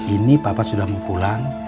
ini papa sudah mau pulang